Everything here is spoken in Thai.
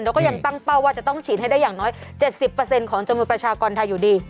แล้วก็ยังตั้งเป้าว่าจะต้องฉีดให้ได้อย่างน้อย๗๐ของจำนวนประชากรไทยอยู่ดี